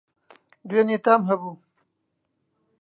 دوێنی تام هەبوو